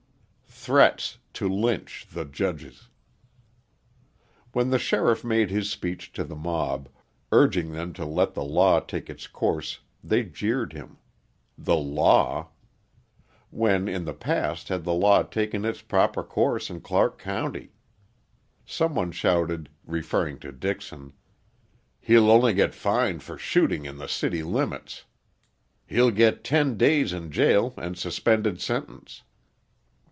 Threats to Lynch the Judges When the sheriff made his speech to the mob, urging them to let the law take its course they jeered him. The law! When, in the past, had the law taken its proper course in Clark County? Some one shouted, referring to Dixon: "He'll only get fined for shooting in the city limits." "He'll get ten days in jail and suspended sentence."